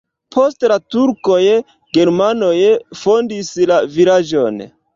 Post la turkoj germanoj fondis la vilaĝon.